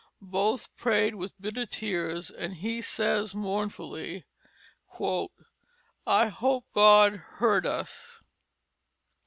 Both prayed with bitter tears, and he says mournfully, "I hope God heard us."